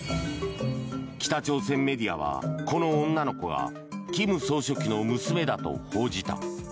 北朝鮮メディアは、この女の子が金総書記の娘だと報じた。